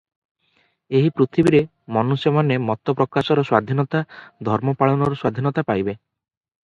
ଏହି ପୃଥିବୀରେ ମନୁଷ୍ୟମାନେ ମତପ୍ରକାଶର ସ୍ୱାଧୀନତା, ଧର୍ମପାଳନର ସ୍ୱାଧୀନତା ପାଇବେ ।